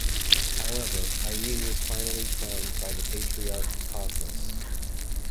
However, Irene was finally crowned by the patriarch Cosmas.